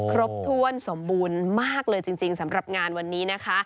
ครบถ้วนสมบูรณ์มากเลยจริงสำหรับงานวันนี้นะคะ